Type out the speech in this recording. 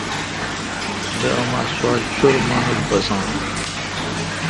بہ اماں سوا چُر مانوش بساں۔